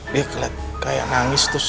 dia kayak nangis terus